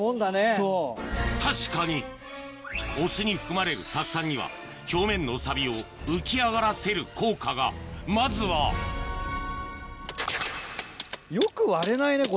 確かにお酢に含まれる酢酸には表面の錆を浮き上がらせる効果がまずはよく割れないね